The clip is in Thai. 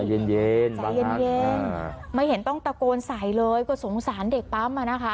ใจเย็นไม่เห็นต้องตะโกนสายเลยก็สงสารเด็กปั๊มนะคะ